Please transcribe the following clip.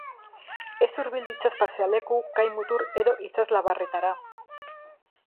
Ez hurbildu itsas pasealeku, kai-mutur edo itsaslabarretara.